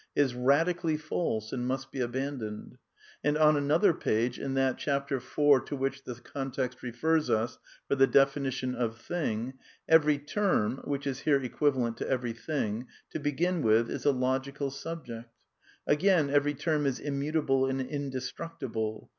is radically false and must be'^^ M^ abandoned," and on another page, in that chapter iv to ) which the context refers us for the definition of " thing ":*' Every term" (which is here equivalent to "every thing") "to begin with is a logical subject. ... Again, every term is immutable and indestructible.